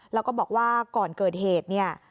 แล้วก็บอกว่าก่อนเกิดเหตุเนี่ย